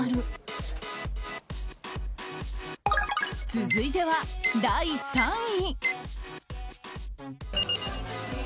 続いては第３位。